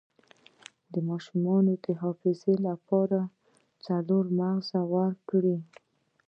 د ماشوم د حافظې لپاره څلور مغز ورکړئ